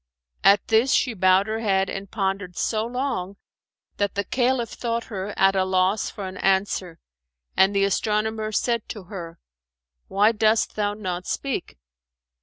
At this she bowed her head and pondered so long, that the Caliph thought her at a loss for an answer and the astronomer said to her, "Why dost thou not speak?"